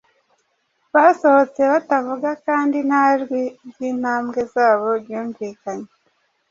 Basohotse batavuga kandi nta jwi ry’intambwe zabo ryumvikanye.